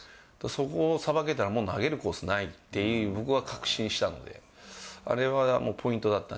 そこをさばけたら、もう投げるコースないっていう、僕は確信したんで、あれはポイントだった。